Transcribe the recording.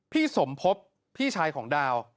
พี่สมภพพี่ชายของดาว